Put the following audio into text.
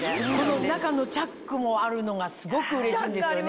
中のチャックもあるのがすごくうれしいんですよね。